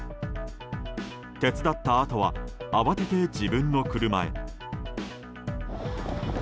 手伝ったあとは慌てて自分の車へ。